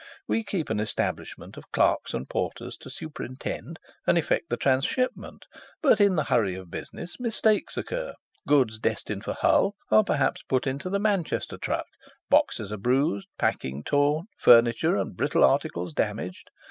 We keep an establishment of clerks and porters to superintend and effect the transhipment, but, in the hurry of business, mistakes occur; goods destined for Hull are perhaps put into the Manchester truck; boxes are bruised, packing torn, furniture and brittle articles damaged.